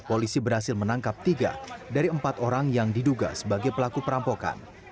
polisi berhasil menangkap tiga dari empat orang yang diduga sebagai pelaku perampokan